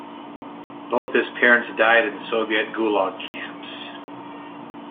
Both his parents died in Soviet Gulag camps.